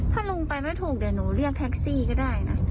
ถ้าลุงไปไม่ถูกหนูเรียกแท็กซี่จะได้นะ